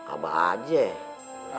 abah aja ya